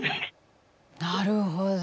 なるほど。